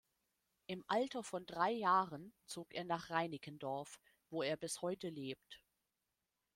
Im Alter von drei Jahren zog er nach Reinickendorf, wo er bis heute lebt.